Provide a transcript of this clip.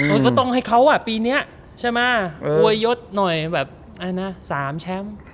โอ้โหตรงให้เขาปีนี้ใช่มั้ยอวยยดหน่อยแบบ๓แชมป์